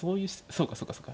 そうかそうかそうか。